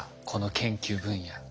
この研究分野。